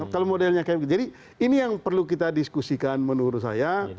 kalau modelnya kayak begitu jadi ini yang perlu kita diskusikan menurut saya